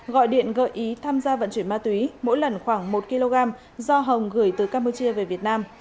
gọi điện gợi ý tham gia vận chuyển ma túy mỗi lần khoảng một kg do hồng gửi từ campuchia về việt nam